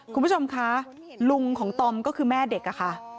คุณผู้ชมคะลุงของตอมก็คือแม่เด็กอะค่ะ